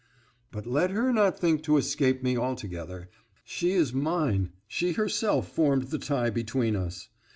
But let her not think to escape me altogether; she is mine; she herself formed the tie between us.